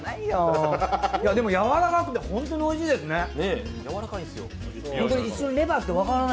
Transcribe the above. でも、やわらかくて、本当においしいですね。